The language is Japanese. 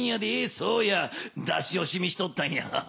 そうや出しおしみしとったんや。